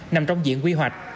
nằm trong diện quy hoạch